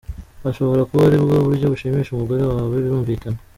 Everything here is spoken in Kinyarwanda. Ashobora kuba aribwo buryo bushimisha umugore wawe birumvikana.